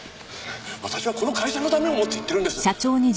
私はこの会社のためを思って言ってるんです！